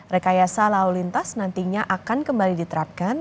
rekayasa lalu lintas nantinya akan kembali diterapkan